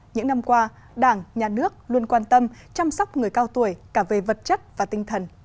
những năm qua đảng nhà nước luôn quan tâm chăm sóc người cao tuổi cả về vật chất và tinh thần